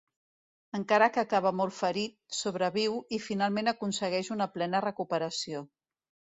Encara que acaba molt ferit, sobreviu, i finalment aconsegueix una plena recuperació.